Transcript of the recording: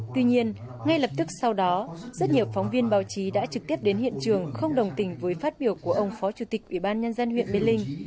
tuy nhiên ngay lập tức sau đó rất nhiều phóng viên báo chí đã trực tiếp đến hiện trường không đồng tình với phát biểu của ông phó chủ tịch ủy ban nhân dân huyện mê linh